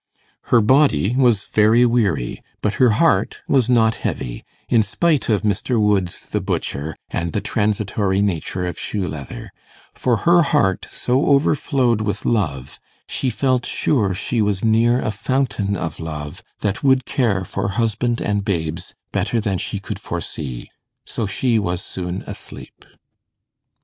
Her body was very weary, but her heart was not heavy, in spite of Mr. Woods the butcher, and the transitory nature of shoe leather; for her heart so overflowed with love, she felt sure she was near a fountain of love that would care for husband and babes better than she could foresee; so she was soon asleep.